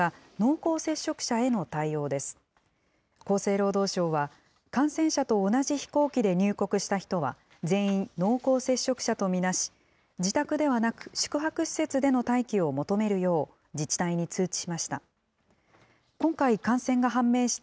厚生労働省は、感染者と同じ飛行機で入国した人は、全員濃厚接触者と見なし、自宅ではなく、宿泊施設での待機を求めるよう、自治体に通知しました。